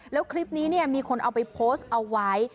แล้วคลิปนี้มีคนเอาไปโพสต์เอาไว้